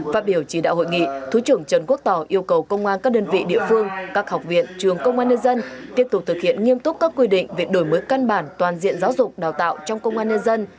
phát biểu chỉ đạo hội nghị thứ trưởng trần quốc tỏ yêu cầu công an các đơn vị địa phương các học viện trường công an nhân dân tiếp tục thực hiện nghiêm túc các quy định về đổi mới căn bản toàn diện giáo dục đào tạo trong công an nhân dân